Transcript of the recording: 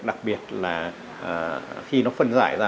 đặc biệt là khi nó phân giải ra